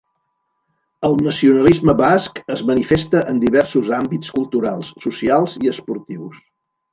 El nacionalisme basc es manifesta en diversos àmbits culturals, socials i esportius.